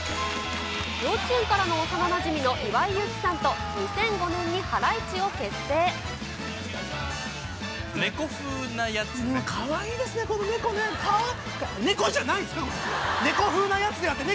幼稚園からの幼なじみの岩井勇気さんと、２００５年にハライチを猫風なやつね。